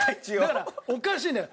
だからおかしいんだよ。